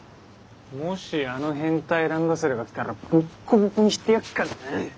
もしあの変態ランドセルが来たらボッコボコにしてやっからな。